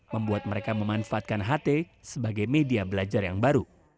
membuat mereka memanfaatkan ht sebagai media belajar yang baru